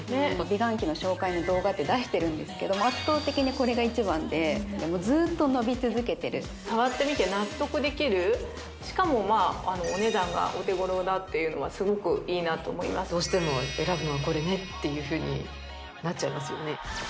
美顔器の紹介の動画って出してるんですけども圧倒的にこれが一番でずーっと伸び続けてる触ってみて納得できるしかもまあお値段がお手頃だっていうのはすごくいいなと思いますどうしても選ぶのはこれねっていうふうになっちゃいますよね